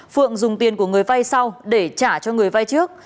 phượng dùng tiền của người vay sau để trả cho người vay trước